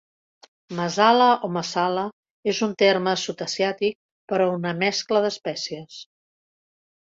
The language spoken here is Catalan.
"Masala" o "massala" és un terme sud-asiàtic per una mescla d'espècies.